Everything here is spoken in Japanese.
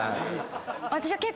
私は結構。